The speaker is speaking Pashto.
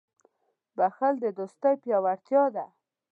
• بښل د دوستۍ پیاوړتیا ده.